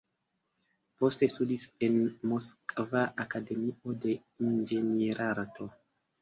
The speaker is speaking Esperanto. Poste studis en Moskva Akademio de Inĝenierarto.